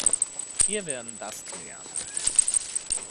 Wir werden das klären.